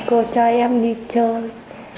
cô cho em đi chơi